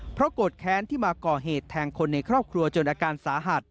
เพราะโกรธแค้นที่มาก่อเหตุแทงคนในครอบครัวจนอาการสาหัส